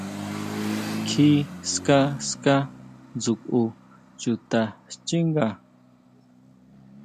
Kjí ska, ska dsjukʼu chita xchínga.